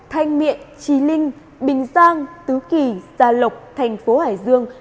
thanh miện trì linh bình giang tứ kỳ gia lộc thành phố hải dương